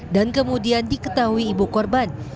dan kemudian diketahui ibu korban